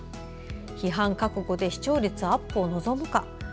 批判覚悟で視聴率アップを望むか？